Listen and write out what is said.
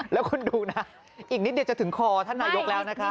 แล้วคุณดูนะอีกนิดเดียวจะถึงคอท่านนายกแล้วนะคะ